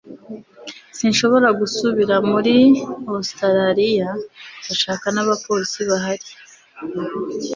sinshobora gusubira muri ositaraliya ndashaka n'abapolisi bahari